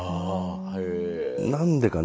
何でかね